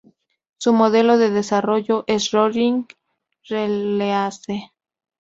Su modelo de desarrollo es rolling release.